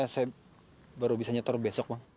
saya baru bisa nyetor besok bang